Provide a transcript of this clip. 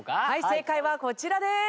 正解はこちらです。